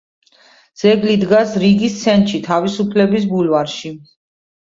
ძეგლი დგას რიგის ცენტრში თავისუფლების ბულვარში.